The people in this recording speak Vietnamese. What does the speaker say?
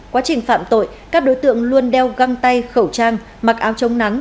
quá trình phạm tội các đối tượng luôn đeo găng tay khẩu trang mặc áo chống nắng